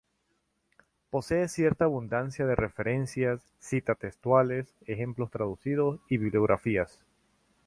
Posee cierta abundancia de referencias, citas textuales, ejemplos traducidos y bibliografías.